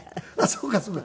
そうかそうか。